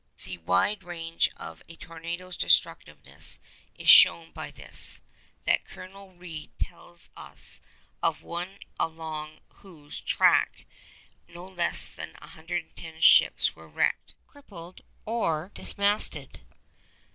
The wide range of a tornado's destructiveness is shown by this, that Colonel Reid tells us of one along whose track no less than 110 ships were wrecked, crippled, or dismasted.